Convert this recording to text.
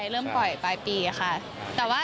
ลืมปล่อยปลายปีค่ะ